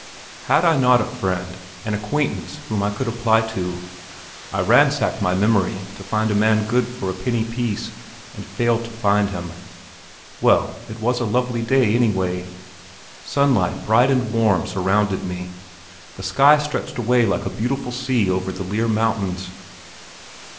Had I not a friend an acquaintance whom I could apply to? I ransack my memory to find a man good for a penny piece, and fail to find him. Well, it was a lovely day, anyway! Sunlight bright and warm surrounded me. The sky stretched away like a beautiful sea over the Lier mountains.